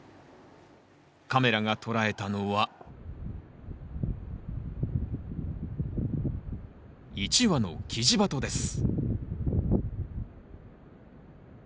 カメラが捉えたのは１羽のキジバトです